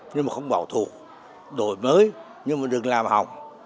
nhưng không bảo thủ đổi mới nhưng đừng làm hỏng